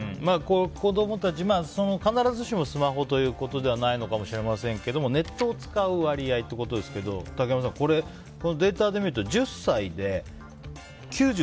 子供たち、必ずしもスマホということではないかもしれないですけどネットを使う割合ということですけども竹山さん、データで見ると１０歳で９３．６。